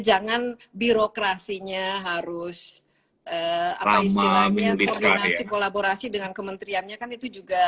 jangan birokrasinya harus apa istilahnya koordinasi kolaborasi dengan kementeriannya kan itu juga